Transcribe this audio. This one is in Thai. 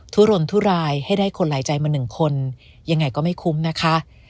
ุรนทุรายให้ได้คนหลายใจมาหนึ่งคนยังไงก็ไม่คุ้มนะคะ